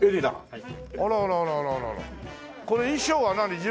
はい。